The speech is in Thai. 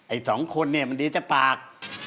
ไอ้สองคนนี่มันมีแต่ปาก